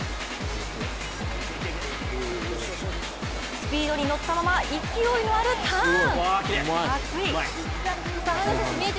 スピードに乗ったまま勢いのあるターン！